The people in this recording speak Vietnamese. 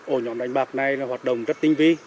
ổ nhóm đánh bạc này là hoạt động rất tinh vi